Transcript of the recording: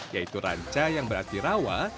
yaitu ranca yang berarti rawa